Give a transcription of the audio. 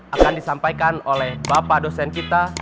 akan disampaikan oleh bapak dosen kita